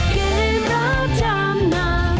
เกมรับจำนำ